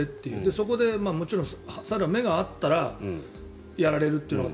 そこでもちろん猿は目が合ったらやられるという。